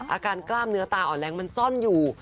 กล้ามเนื้อตาอ่อนแรงมันซ่อนอยู่